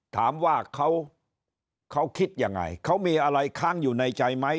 ถามว่าเขาคิดยังไงเขามีอะไรค้างอยู่ในใจไหม